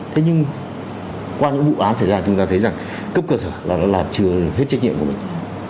thế nhưng qua những vụ án xảy ra chúng ta thấy rằng cấp cơ sở là nó là chưa hết trách nhiệm của mình